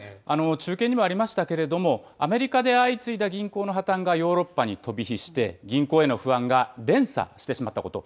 中継にもありましたけれども、アメリカで相次いだ銀行の破綻がヨーロッパに飛び火して、銀行への不安が連鎖してしまったこと。